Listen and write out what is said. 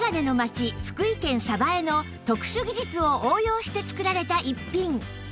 福井県江の特殊技術を応用して作られた逸品